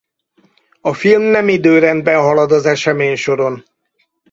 A film nem időrendben halad az eseménysoron.